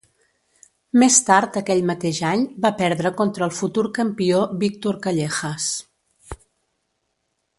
Més tard aquell mateix any, va perdre contra el futur campió Víctor Callejas.